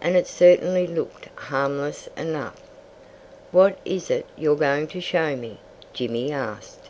And it certainly looked harmless enough. "What is it you're going to show me?" Jimmy asked.